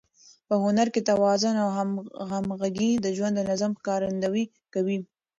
په هنر کې توازن او همغږي د ژوند د نظم ښکارندويي کوي.